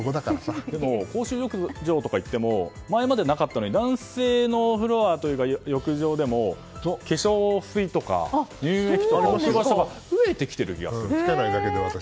でも、公衆浴場とか行っても前までなかったのに男性の浴場でも化粧水とか乳液とか置く場所が増えてきている気がする。